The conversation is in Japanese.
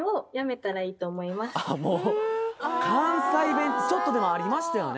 もう関西弁ってちょっとでもありましたよね？